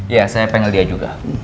ya saya panggil dia juga